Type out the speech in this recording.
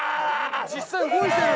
実際動いてる！